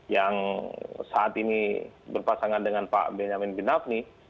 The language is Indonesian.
yang saat ini berpasangan dengan pak benjamin bin nafni